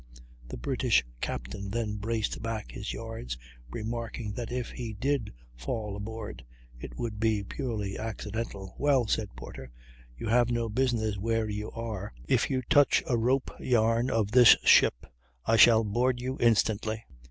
The British captain then braced back his yards, remarking that if he did fall aboard it would be purely accidental. "Well," said Porter, "you have no business where you are; if you touch a rope yarn of this ship I shall board instantly."